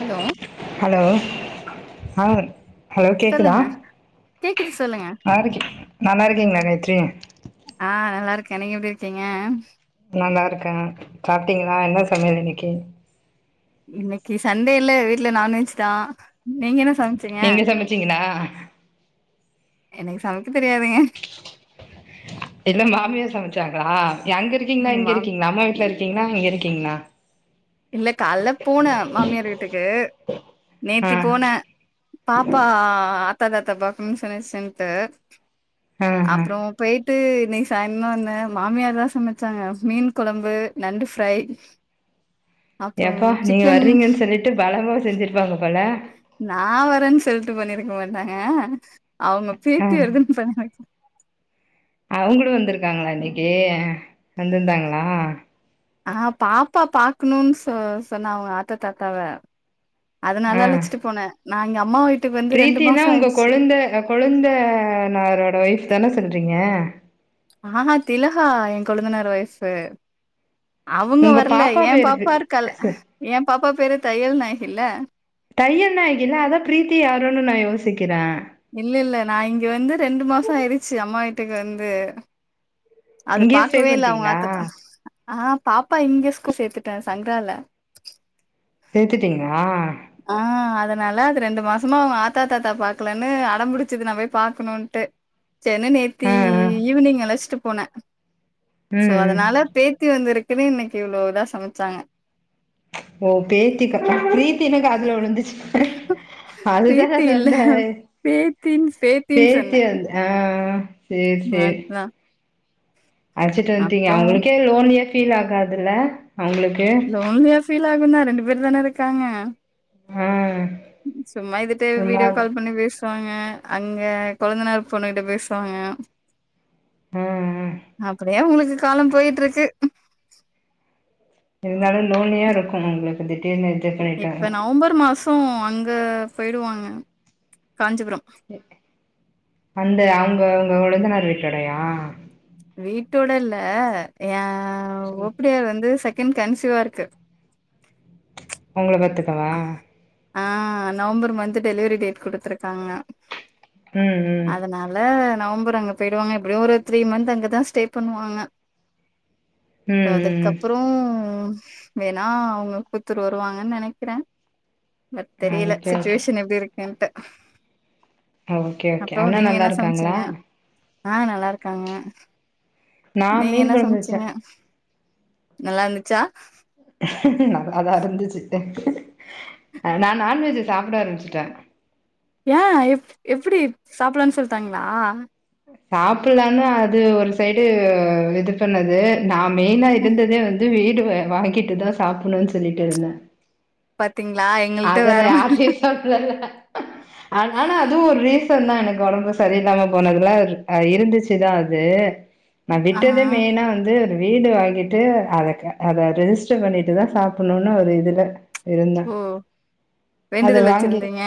Hello hello ஆ hello கேக்குதா சொல்லுங்க கேக்குது சொல்லுங்க நல்லா இருக்கே நல்லா இருக்கீங்ளா காயத்ரி ஆ நல்லா இருக்கே நீங்க எப்ப டி இருக்கீங்க நால்லா இருக்கே சாப்ட்டீங்ளா என்னா சமயல் இன்னைக்கி இன்னைக்கு சண்டேல்ல வீட்ல நான்வெஜ் தா நீங்க என்ன சமச்சீங்க நீங்க சமச்சீங்களா என்னய சம இல்லா மாமியார் சமையல் ஜெகா அங்க இருக்கீங்களா இங்க ஆமா இருக்கீங்க அம்மா வீட்டுல இருக்கீங்களா இங்க இருங்க இருக்கீங்களா இல்ல காலை போனே மாமியார் வீட்டுக்கு ஆ நேத்தி போனே பாப்பா தாத்தா பாக்கனும்னு சொன்னுச்சுன்னுட்டு ஆ ஆ அப்புறம் போயி விட்டு இன்னைக்கு சாய்ந்தரம் தான் வந்தேன் மாமியார் தான் சமைச்சாங்க மீன் குழம்பு நண்டு ஃப்ரை அப்றோ எப்பா நீங்க சிக்கன் வர்றீங்கன்னு சொல்லிட்டு ப அம்மா செஞ்சுருப்பாங்க போல நான் வரேன்னு சொல்லிட்டு பண்ணிருக்க மாட்டாங்க அவங்க பேத்தி வருதுன்னு பண்ணாங்க அஹ் அவங்களும் வந்திருக்காங்களா இன்னைக்கு வந்திருந்தாங்களா ஆஹ் பாப்பா பாக்கணும்ன்னு சொ சொன்னா அவன் ஆத்த தாத்தாவ ஆ அதனால அழைச்சிட்டு போனேன் நான் எங்க அம்மா வய பிரீத்தினா உங்க கொழுந்த கொழுந்தனாரோட ஒய்ஃப் தானே சொல்றீங்க ஆஹ்ஹா திலகா என் கொழுந்தனரு ஓய்ப் உங்க பாப்பா பேரு ஏ பாப்பா பேரு தையல் நாயகில்ல தையல்நாயகி அதான் பிரீத்தி யாரோன்னு நான் யோசிசேன் சிக்கிறேன்ங்க இல்ல இல்ல நான் இங்க வந்து ரெண்டு மாசம் ஆயிடுச்சு அம்மா வீட்டுக்கு வந்து அது இங்கேயே ஸ்டே பாக்கவே இல்ல அவங்க பண்ட்டீங்களா ஆட்டத்த ஆஹ் பாப்பா இங்க ஸ்கூல் சேர்த்துட்டேன் சங்கரால சேர்த்துட்டீங்களா ஆஹ் அதனால அது ரெண்டு மாசமா அவங்க ஆத்தா தாத்தா பாக்கலன்னு அடம்புடிச்சுது நான் போய் பாக்கணும்ன்ட்டு செர் நேத்தி ஆ ஆ ஈவினிங் அழைச்சுட்டு போனேன் சோ ம் ம் அதனால பேத்தி வந்துருக் இத இன்னைக்கு இவ்ளோதான் சமைச்சாங்க ஓ பேத்தி க பிரீத்தின்னு காதுல விழுந்துச்சு அதுதானே பிரீத்தி இல்ல சொன்னேன் பேத்தின் பேத்தின்னு சொன்னே பேச்சி வந்து ஆஹ் சேர் செரி அதுதா அழச்சிட்டு வந்டீங்க அப்றோ அவுங்களுக்கே லோன்லியா ஃபீல் ஆகாதுல்ல அவுங்களுக்கு ஃபில் ஆகுதா ரெண்டு பேர் தான இருக்காங்க ஆ சும்மா இதுட்டே ஒரு வீடியோ மாரி கால் பண்ணி பேஷ் ட்டுவாங்க அங்க கொழந்தனார் பொண்ணு கிட்ட பேசுவாங்க ஆ ஆ அப்பிடியே உங்களுக் காலோ போய்ட்டு இருக்கு இருந்தாலு லோன்லியா இருக்கு உங்களுக்கு தி இப்ப நவம்பர் மாசோ அங்க போயிடுவாங்க காஞ்சிபுரம் அந்த அவுங்க டொழுந்தனார் வீட்டடையா வீட்டோட இல்ல ஏ ஆ சொல்லு ஒப்பிடியா வந்து செக் கிம் கன்சிவா இருக்கு உங்கள பத் த்துக்கவா ஆ நவம்பர் மந்த் டெலிவிரி டேட் குடுத்துருக்காங்க ம் ம் அதனால நவம்பர் அங்க போயிடுவாங்க எப்பிடியு ஒரு த்ரீ மந்த் அங்கதா ஸ்டே பண்ணுவாங்க ம் ம் ம் அதுக்கப்புறோ வேணா அவுங்க குத்துர் வருவாங்கனு நெனைக் கிறே வெத் தெரியல சுச்வேஷன் எப்பிடி இருக் என்ட ஆ ஓகே ஓகே அண்ணா நல்லா இருக்காங்களா சமைச்சீங்க ஆ நல்லா இருக்காங்க நா நீங்க மீன் என்ன கொழம்பு வச்சே சமைச்சீங்க நல்லா இருந்துச்சா நல்லாதா இருந்துச்சி ம் நான் நான்வெஜ்ஜி சாப்ட ஆரம்பிச்சிட்டேன் ஏன் எப் எப்டி சாப்லான்னு சொல்டாங்ளா சாப்ட்லானு அது ஒரு சைடு இது பண்ணது நா மெயினா ம் இருந்ததே வந்து வீட் வாங்கிட்டு தான் சாப்பிட்ணும் சொல்லிட்டு இருந்தேன் பாத்தீங்ளா எங்கள்ட்ட வேற மாதிரி ஆனாலும் அதுவும் ஒரு ரீசன் தான் எனக்கு ஒடம்பு சரியில்லாம போனது நல்லார் அ இருந்துச்சுதான் அது நா ஆ விட்டதே மெயினா வந்து வீடு வாங்கிட்டு அத க அத ரெஜிஸ்டர் பண்ணிட்டுதான் சாப்பிடணும்னு ஒரு இதுல இருந்தேன் ஓ அத வேண்டுதல் வாங்கி வச்சிருந்தீங்க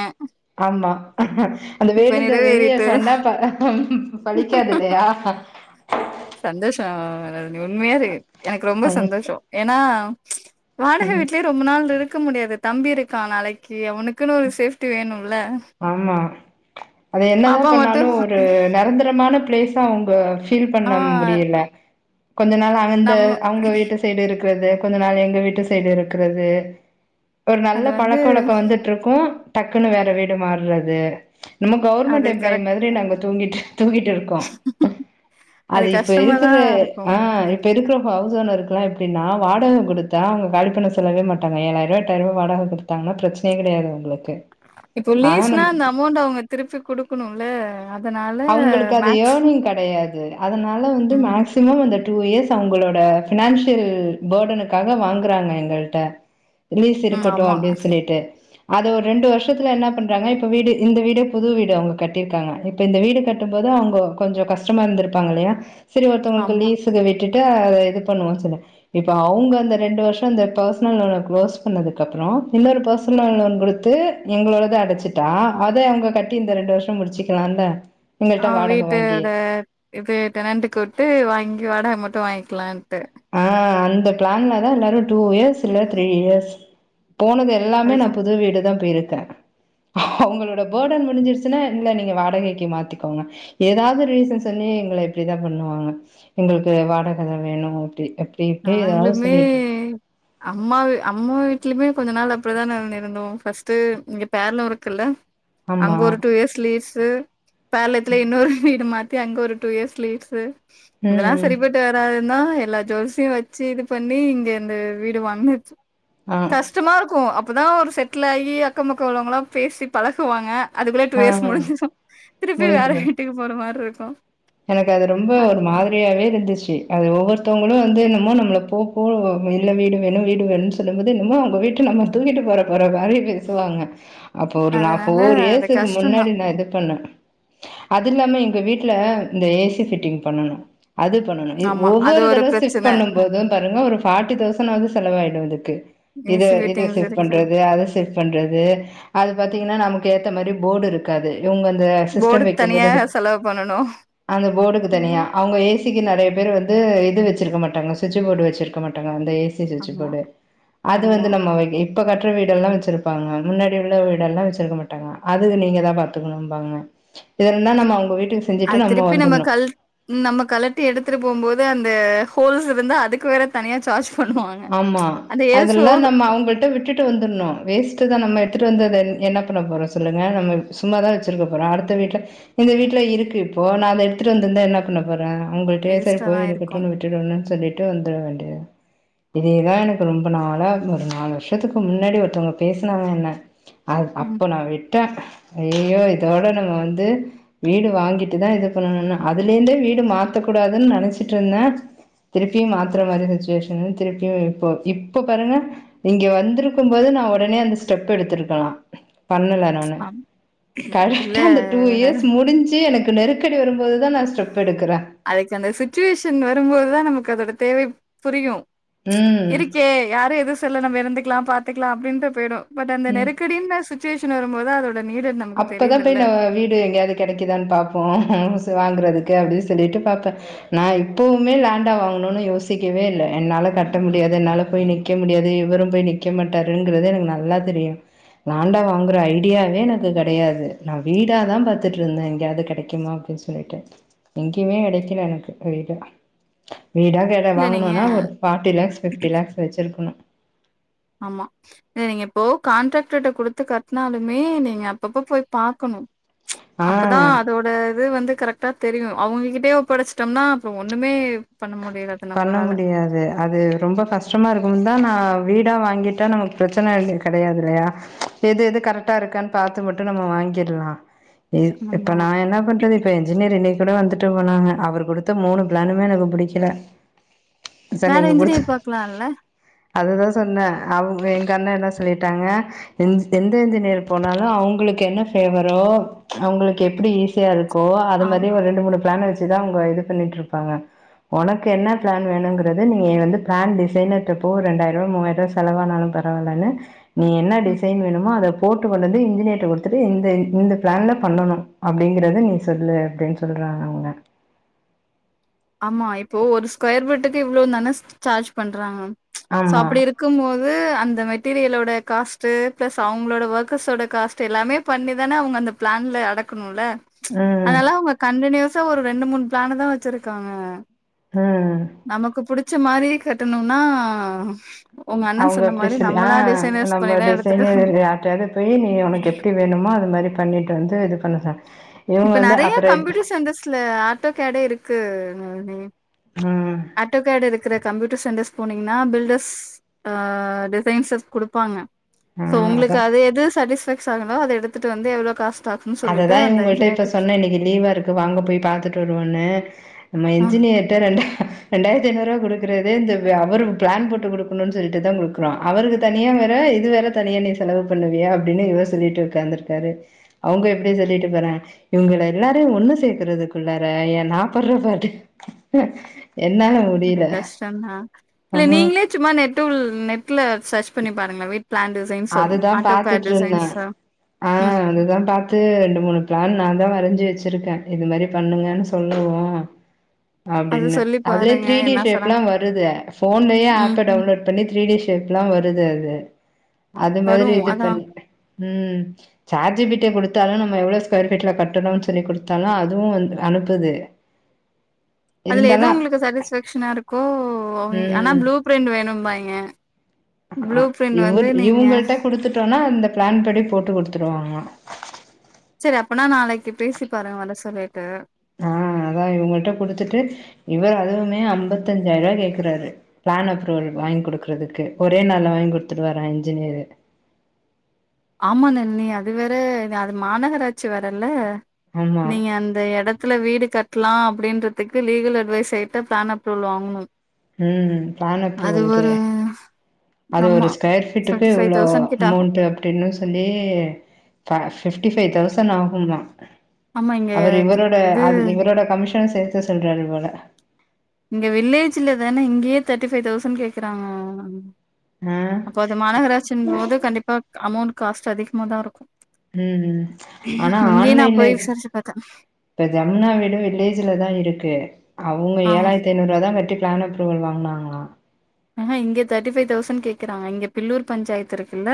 ஆம்மா ஹம் அந்த இப்ப வேண்டுன்த வெளிய நிறைவேறிட்டு சொன்னா ப ம் பலிக்காதில்லையா அஹா ஆஹான் உண்மையா இரு எனக்கு ரொம்ப சந்தோஷம் ஏனா வாடக ம் வீட்லே ரொம்ப நாள் இருக் இருக்க முடியாது தம்பி இருக்கா நாளைக்கு அவனுக் இதுக்குனு ஒரு சேஃப்டி வேணும் ஆம்மா அது பாப்பா என்னதான் மட்டும் பண்ணாலும் ஒரு நிரந்தரமான பிளேஸ்ஸா அவங்க பீல் ஆ பண்ண முடியல கொஞ்ச நாள் அந்த நம்ம அவங்க வீட்டு சைடு இருக் இருக்கிறது கொஞ்ச நாள் எங்க வீட்டு சைடு இருக்கிறது ஒரு நல்ல அது வந்து பழக்க வழக்கம் வந்துட்டு இருக்கும் டக்குன்னு வேற வீடு மாறுனது நம்ம அது கவர்மெண்ட் எம்ப்ளாய் கரெக்ட் மாதிரி நாங்க தூங்கிட் தூங்கிட்டு இருக்கோ அது இப்ப கஷ்டமா இருக்குற தான் ஆ இருக்கும்ல. இப்ப இருக்குற ஹவுஸ் ஓனர்க்லா எப்டினா வாடக குடுத்தா அவுங்க காலிப்பண்ண சொல்லவே மாட்டாங்க ஏழாயிர ரூபா எட்டாயிர ரூபா வாடக குடுத்தாங்கனா பிரச்சனயே கெடையாது அவுங்களுக்கு [unintelligible] இப்போ லீஸ்னா அந்த அமௌண்ட் அவுங்க திருப்பி குடுக்கணுல அவுங்களுக்கு அது ஏர்னிங் கெடயாது அதனால வந்து ம் மேக்சிமம் அந்த டூ இயர்ஸ் அவுங்களோட பினான்சியல் பேர்டனுக்காக வாங்குறாங்க எங்கள்ட்ட லீஸ் ம் இருக்கட்டு ஆமா, அப்டின்னு சொல்லிட்டு அத ஓரு ரெண்டு வருஷத்ல என்னா பண்றாங்க இப்ப வீடு இந்த வீடு புது வீடு அவுங்க கட்டி இருக்காங்க இப்ப இந்த வீடு கட்டும் போது அவுங்க கொஞ்சோ கஷ்டமா இருந்திருப்பாங்க இல்லையா சரி ஒருத்தவங்களுக்கு ஆமா. லீசுக்கு விட் இப்ப இது பண்ணுவோனு சொல்லி இப்ப அவுங்க அந்த ரெண்டு வருஷோ இந்த பர்சனல் லோன க்ளோஸ் பண்ணதுக்கு அப்றோ இன்னொரு பர்சனல் லோன் குடுத்து எங்களோடத அடச்சிட்டா அத அவுங்க கட்டி இந்த ரெண்டு வருஷோ முடிச்சுக்கலால [inaudible] அவ வீட்டோட இது ரெண்டுக்கு விட்டு வாங்கி வாடக மட்டு வாங்கி இருக்கலாண்டு இந்த பிளான்ல தா எல்லாரு டூ இயர்ஸ் சிலர் த்ரீ இயர்ஸ் போனது எல்லாமே நா அதுக்கு புது வீடு தா இருக்கே அவுங்களோட பேர்டன் முடிஞ்சிருச்சுனா இல்ல நீங்க வாடகைக்கு மாத்திக்கோங்க ஏதாவது ரீசன் சொல்லி எங்கள இப்டிதா பண்ணுவாங்க எங்களுக்கு வாடக தா வேணு அப்டி இப்டி ஏதாவது நாங்ளுமே சொல்லிட்டு அம்மா அம்மா வீட்லயுமே கொஞ்ச நாள் அப்டிதா நா இருந்தோ பஸ்ட்டு இங்க பேர்ல உ இருக்குல்ல ஆமா அங்க ஒரு டூ இயர்ஸ் லீ்ஸ் து பேலத்ல இன்னோரு வீடு மாத்தி அங்க ஒரு டூ இயர்ஸ் லீட்ஸு ம் அதெல்லா ம் சரிப்பட்டு வராது நா எல்லா ஜுவல்ஸ் வச்சு இது பண்ணி இங்க இந்த வீடு வாங்குனது ஆ கஷ்டமா இருக்கு அப் அப்போ தா ஒரு செட்டில் ஆகி அக்க பக்க உள்ளவங்களலா பேசி பழகுவாங்க அதுக்குள்ளே டூ ஆ இயர்ஸ் முடிஞ்சுரு திருப்பி வேற முடிஞ்சிடு வீட்டுக்கு போற மாரி இருக் ப்போ எனக்கு அது ரொம்ப ஒரு மாதிரியாவே இருந்துச்சு அது ஒவ்வொருத்தவங்களு வந்து என்னமோ நம்ம போ இல்ல வீடு வேணு வீடு வேணு சொல்லும் போது என்மோ அவுங்க வீட்ட நம்ம தூக்கிட்டு போற போற மாரி பேசுவாங்க அப்போ ஒரு நா ஒரு அதனால ஃபோர் அது இயர்ஸ்சுக்கு கஷ்டந்தா முன்னாடி நா இது பண்ணே அது இல்லாம எங்க வீட்டு்ல இந்த ஏ சி ஃபிட்டிங் பண்ணனு அது பண்ணணு இது ஆமா அது ஒவ்வொரு ஒரு தடவ சிஃப்ட் பிரச்சன பண்ணும் போது பாருங்க ஒரு ஃபார்ட்டி தௌசண்ட் ஆவது செலவாயிடு இதுக்கு இத ஈஸி இத ஃபிட்டிங்ஸ் சிஃப்ட் இருக்கு. பண்றது அத சிஃப்ட் பண்றது அது பாத்தீங்கன்னா நமக்கு ஏத்த மாரி போடு இருக்காது இவங்க அந்த போர்டு சிஸ்டம் தனியா வைக்கும்போது அந்த செலவு பண்ணனு அந்த போடுக்கு தனியா ம் அவுங்க ஏ சி ஜ்ஜுக்கு நறைய பேர் வந்து இது வச்சிருக்க மாட்டாங்க சுவிட்சு போர்டு வச்சிருக்க மாட்டாங்க வந்து ஏ சி சுச்சு ஆமா போடு அது ஆமா வந்து நம்ம இப்ப கட்ற வீடெல்லா வச்சிருப்பாங்க முன்னாடி உள்ள வீடெல்லா வச்சிருக்க மாட்டாங்க அதுக் நீங்க தா பாத்துக்கணும்பாங்க [unintelligible] அவங்க வீட்டுக்கு செஞ்சுட்டு அது திருப்பி நம்ம வந்துர்ணு கல் நம்ம கலட்டி எடுத்துட்டு போம்போது அந்த ஹோல்ஸ் இருந்தா அதுக்கு வேற தனியா சார்ஜ் பண்ணுவாங்க ஆமா அந்த எல்சோ அதெல்லா நம்ம அவுங்கள்ட்ட விட்டுட்டு வந்துட்ணு வேஸ் அடுத்துதா நம்ம எடுத்துட்டு வந்து அதது என்ன பண்ண போறோ சொல்லுங்க நம்ம சும்மா தா வச்சுிருக்க போறோ அடுத்த வீட்ல இந்த வீட்ல இருக்கு இப்போ நா அத எடுத்துட்டு வந்துந்தா என்ன பண்ண போறே ர அவ்ங்கள்கிட்டயே சரி வேஸ்ட்டா தா போய் இருக்கு இருக்கட்டும்னு விட்டுனு சொல்லி ட்டு வந்துர வேண்டியதா இதேதா எனக்கு ரொம்ப நாளா ஒரு நாலு வருஷத்துக்கு முன்னாடி ஒருத்தவுங்க பேசினாங்க என்ன அ ம் அப்போ நா வே ட்ட ஐயோ இதோட நம்ம வந்து வீடு வாங்கிட்டு தா இது பண்ணனுனு அதுலேருந்தே வீடு மாத்தக்கூடாதுன்னு நனைச்சிட்ருந்தே திருப்பியு மாத்துற மாரி சிச்சுவேஷன் திருப்பியு இப்போ இப்ப பாருங்க இங்க வந்திருக்கும் போது நா உடனே அந்த ஸ்டெப் எடுத்திருக்கலா பண்ணல நானு ஆம் இல்ல கரெக்ட்டா அந்த டூ இயர்ஸ் முடிஞ்சு எனக்கு நெருக்கடி வரும் அதுக்கு அந்த சிட்டிவேஷன் வரும்போது தா நமக்கு அதோட தேவை புரியு ம் இருக்கே யார எதுவு சொல்ல நம்ம இருந்துக்கலா பாத்துக்கலா அப்படின்டே போயிடு பட் அந்த நெருக்கடின்ன சுத் ட்ச்சிவேஷன் வரும்போது அதோட நீடட் நமக்கு அப்பதா போய் தெரியுதுல்ல நம்ம வீடு எங்கேயாது கெடைக்குதான்னு பாப்போ ச வாங்குறதுக் க்கு அப்பின் சொல்லிட்டு பாப்பே நா இப்பவுமே லேண்டா வாங்கணுன்னு யோசிக்கவே இல்ல என்னால கட்ட முடியாது என்னால போய் நிக்க முடியாது இவரு போய் நிக்க மாட்டாருங்கிறது எனக்கு நல்லா தெரியு லேண்டா வாங்குற ஐடியாவே என்க் து கெடையாது நா வீடாதா பாத்துட்டு இருந்தே எங்கயாவது கெடைக்குமா அப்பிடின் சொல்லிட்டு எங்கேயுமே கிடைக்கல எனக்கு வீடா வீட கேட இல்ல நீங்க வாங்கணுன்னா ஒரு ஃபட்டி லேக்ஸ் பபிப்டி லேக்ஸ் வச்சிருக்கணு ஆமா இல்ல நீங்க இப்போ கான்ட்ராக்ட்ர்ட்ட குடுத்து கட்டனாலுமே நீங்க அப்பப்ப போய் பாக்கணு ஆ அப்பதா அதோட இது வந்து கரெக்ட் ட்டா தெரியு அவுங்ககிட்டயே ஒப்படைச்சிட்டோம்னா அப்புறோ ஒண்ணுமே பண்ண முடியாது பண்ண நம்மளால. முடியாது அது ரொம்ப கஷ்டமா இருக்குதா நா வீடா வாங்கிட்டா நமக்கு பிரச்சன கெடையாது இல்லையா எது எது கரெக்டா இருக்கான்னு பாத்து மட்டு நம்ம வாங்கிரலா இப் இப்ப ஆமா. நா என்ன பண்றது இப்ப இன்ஜினியர் இன் இப்பறா வந்துட்டு போனாங்க அவர் குடுத்த மூணு பிளானுமே எனக்கு புடிக்கல சார் வேற நீங்க இன்ஜினியர் குடுத்த பாக்கலால்ல அதுதா சொன்னே அவுங்க எங்க அண்ணா என்ன சொல்லிட்டாங்க இன் எந்த இ்ன்ஜினியர் போனாலு அவுங்களுக்கு என்ன ஃபேவரோ அவுங்களுக்கு எப்பிடி ஈஸியா இருக் கோ அது ஆம் மாரி ஒரு ரெண்டு மூனு பிளான் வச் த்தா உங்க இது பண்ணிட்டு இருப்பாங்க உனக் க்கு என்ன பிளான் வேணுங்கிறது நீங்க வந்து பிளான் டிசைனர்ட்டபோ ரெண்டாயிரூவா மூவாயிரரூவா செலவானாலு பரவால்லனு நீ என்ன ம். டிசைன் வேணுமோ அதப் போட்டு வலது இன்ஜினியர்ட்ட குடுத்துட்டு இந்த இந்த பிளான்ல பண்ணணு அப்பிடிங்கறத நீ சொல்லு அப்பிடின் சொல்றாங்க அவுங்க ஆமா இப்போ ஒரு ஸ்கொயர் பிட்டுக்கு இவ்வளோ தான சார்ஜ் பண்றாங்க சோ ஆமா அப்பிடி இருக்கு போது இந்த மெட்டீரியலோட காஸ்ட்டு ப்ளஸ் அவங்களோட ஒர்க்கர்ஸோட காஸ்ட்டு எல்லாமே பண்ணி தான அவுங்க அந்த பிளான்ல அடக்கணுல்ல ம் அதனால அவுங்க கண்டினியுஸ் த்தா ஒரு ரெண்டு பிளானுதா வச்சிருக் க்காங்க ம் நமக்கு புடிச்ச மாரி கட்டணுன்னா அவுங்க அப்பிடி சொல்லி ஆ நம்ம பண்ணிதா எடுத்துட்டு டிசைனர் வரணு யார்டியாது போய் நீ உனக்கு எப்பிடி வேணுமோ அது மாரி பண்ணிட்டு வந்து இது பண்ணுக இப்ப நெறைய கம்ப்யூட்டர் சன்டர்ஸ்ல ஆட்டோ கேடை இருக்கு [unintelligible] ம் ஆட்டோகேடு இருக்கிற கம்ப்யூட்டர் சென்டஸ் போனீங்கன்னா பில்டர்ஸ் ஆ டிசைன்ஸர் குடுப்பாங்க சோ ம் உங்களுக்கு அதா அது எது சேட்டிஸ்பை சானமோ அத எடுத்துட்டு வந்து எவ்ளோ காஸ் பாக்கனு சொல்லிட்டு அந்த ட்ட இப்ப இன்ஜினியர்ட்ட சொன்னே இன்னைக்கு லீவா இருக்கு வாங்க போய் பாத்துட்டு வருவோன்னு நா ஆ இன்ஜினியர்ட்ட ரெண்டு ரெண்டாயிரத்தி ஐநூறுரூவா குடுக்குறதே இந்த அவரு பிளான் போட்டு குடுக்கணுனு சொல்லிட்டுதா குடுக்குறோம் அவருக்கு தனியா வேற இது வேற தனியா நீ செலவு பண்ணுவியா அப்டின்னு இவர் சொல்லிட்டு ஒக்காந்துருக்காரு அவுங்க இப்டி சொல்லிட்டு போறாங்க இவுங்க எல்லாரையும் ஒண்ணு சேக்கறதுக்குள்ளார ஏ நா படுற பாட்டு அது கஷ்டம்தான் இல்ல ஆ நீங்களே சும்மா நெட்டு்ல் நெட்ல சர்ச் பண்ணி பாருங்கள வீட் பிளான் டிசைன்ஸ் வரு அதுதா ஆட்டோ கேட் பாத்துட்டு டிசைன்ஸ் இருந்தேன் ஆ ம் அதுதா பாத்து ரெண்டு மூணு பிளான் நான் தான் வரைஞ்சி வச்சி வச்சிருக்கேன் இது மாரி பண்ணுங்கன்னு சொல்லுவோம் அது அப்டின்னு சொல்லி அதுலே பாருங்க த்ரீடி என்ன சொல்றாங்க ஷேப்லா வருது ஃபோன்லயே ம். ஆப்ப டவுன்லோட் பண்ணி த்ரீ டி ஷேப்லா வருது து அது மாரி வரும். இது ட்ரெண் அதான். ம் சேட் ஜி பிட்ட குடுத்தாலும் நம்ம எவ்ளோ ஸ்கொயர் ஃபீட்ல கட்டணு சொல்லி குடுத்தாலு அதுவும் வந்து அனுப்புது அதுல எது இருந்தாலு உங்களுக்கு சேட்டிஸ்பேக்ஷனா இருக்கோ ஆனா ப்ளூ பிரிண்ட் வேணும்பாங் க இவு இவங்கள்ட்ட குடுத்துட்டோனா அந்த பிளான் படி போட்டு குடுத்துருவாங்க சரி அப்பனா நாளைக்கு பேசி பாருங்க வர சொல்லிட்டு ஆ அதா இவங்கள்ட்ட குடுத்துட்டு இவரு அதுவுமே அம்பத்தாஞ்சாயிரூபா கேக்கறாரு பிளான் அப்ரூவல் வாங்கி குடுக்குறதுக்கு ஒரே நாள்ல வாங்கி குடுத்துருவாரா இன்ஜினியரு ஆமாங் அண்ணி அது வேற அது மாநகராட்சி வேற இல்ல ஆமா நீங்க அந்த எடத்துல வீடு கட் டலா அப்டின்றதுக்கு லீகல் அட்வைஸர்கிட்ட பிளான் அப்ரூவல் வாங்கணு ம் பிளான் அப்ரூவல்க்கே அது ஒரு ஆமா. ஸ்கொயர் ஃபீட்டுக்கு இவ்ளோ கிட்ட ஆகும். அமௌண்ட்டு அப்டின்னு சொல்லி பா ஃபிப்டி ஃபைவ் தௌசண்ட் ஆகுமா ஆமா இங்க அவரு இவரோட இது அது இவரோட கமிஷ த சேத்து சொல்றாரு போல இங்க வில்லேஜில தான இங்கேயே தேட்டி ஃபைவ் தௌசண்ட் கேக்கறாங்க ஆ அப்போ அது மாநகராட்சின் போது கண்டிப்பா அமௌண்ட் காஸ்ட் அதிகமா தா இருக்கு உம் உம் ஆனா நா ஆன்லைன்ல போய் விசாரிச்சு பாத்தே இப்ப ஜமுனா வீடு வில்லேஜ்ல தா இருக்கு அவுங்க ஆ ஏழாயிரத்தி ஐநூறுவா தா கட்டி பிளான் அப்ரூவல் வாங்குனாங்ளா ஆன இங்க தேட்டி ஃபைவ் தௌசண்ட் கேக்குறாங்க இங்க பில்லூர் பஞ்சத்து இருக்குல்ல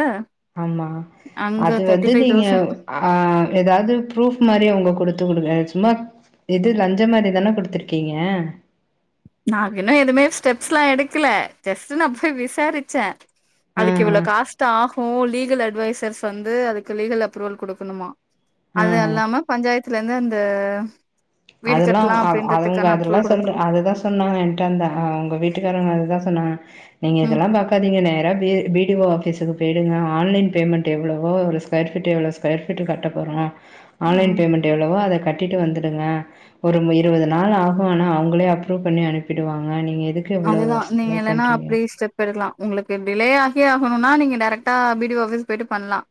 ஆமா அங்க அது தேர்ட்டி வந்து ஃபைவ் நீங்க தௌசண்ட் ஆ ஏதாவது ஃப்ரூப் மாரி அவுங்க குடுத்துவுடுங்க சும்மா இது லஞ்ச மாரிதான குடுத்துருக்கீங்க நாங்க இன்னு எதுமே ஸ்டெப்ஸ் எல்லா எடுக்கல ஜஸ்ட் நா போய் விசாரிச்சே ஆ அதுக்கு இவ்வள காஷ்டா ஓ லீகல் அட்வைசர்ஸ் வந்து அதுக்கு லீகல் அப்ரூவல் குடுக்கணுமா ஆ அது ஆ. அல்லாம பஞ்சாயத்ல இருந்து த அதெல்லா அவுங்க அதெல்லா சொல் குடுக்கணு அதுதா சொன்னாங்க இருந்தா உங்க வீட்டுக்காரங்க அதுதா சொன்னாங்க நீங்க ம் இதெல்லா பாக்காதீங்க நேரா வி ஓ ஆபிஸுக்கு போயிடுங்க ஆன்லைன் பேமெண்ட் எவ்வளவோ ஒரு ஸ்கொயர் ஃபீட்டு எவ்வளோ ஸ்கொயர் ஃபீட்டு கட்ட போறோ ஆன்லைன் ம் பேமெண்ட் எவ்ளவோ அத கட்டி கட்டிட்டு வந்துடுங்க ஒரு இருபது நாள் ஆகு ஆனா அவுங்களே அப்ரூவ் பண்ணி அனுப்பிடுவாங்க நீங்க எதுக்கு இவ்ளோ அதுதா நீங்க செலவு இல்லன்னா பண்றீங்க அப்டி ஸ்டெப் எடுக்லா உங்களுக்கு டிலே ஆகே ஆகணும்னா நீங்க டைரெக்டா பி டி ஓ ஆபிஸ் போயிட்டு பண்லா